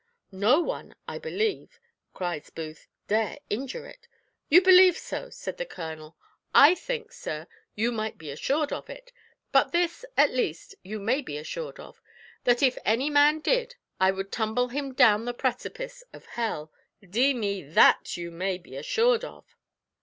"No one, I believe," cries Booth, "dare injure it." "You believe so!" said the colonel: "I think, sir, you might be assured of it; but this, at least, you may be assured of, that if any man did, I would tumble him down the precipice of hell, d n me, that you may be assured of."